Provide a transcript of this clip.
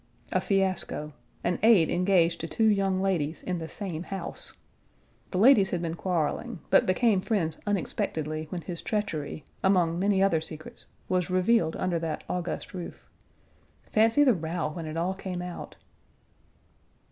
A fiasco: an aide engaged to two young ladies in the same house. The ladies had been quarreling, but became friends unexpectedly when his treachery, among many other secrets, was revealed under that august roof. Fancy the row when it all came out.